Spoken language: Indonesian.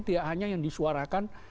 tidak hanya yang disuarakan